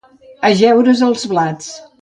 Ajeure's els blats.